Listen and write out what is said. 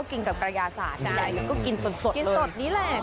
กล้วยไข่อร่อยนี้